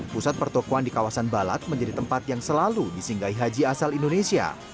pusat pertokohan di kawasan balat menjadi tempat yang selalu disinggahi haji asal indonesia